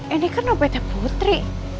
ini kan opt putri